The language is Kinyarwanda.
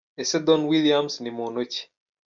Ese Don Williams ni muntu ki?.